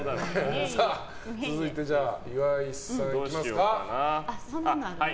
続いて、岩井さんいきますか。